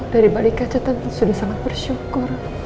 dari balik aja tante sudah sangat bersyukur